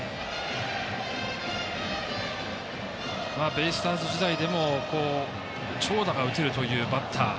ベイスターズ時代でも長打が打てるというバッター。